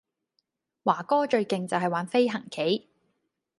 華哥最勁就係玩飛行棋